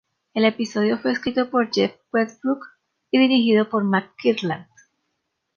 El episodio fue escrito por Jeff Westbrook y dirigido por Mark Kirkland.